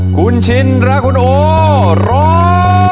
คุณชินและคุณโอร้อง